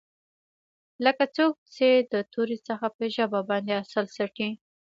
لکه څوک چې د تورې څخه په ژبه باندې عسل څټي.